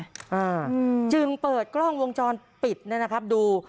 อ่าจึงเปิดกล้องวงจรปิดเนี้ยนะครับดู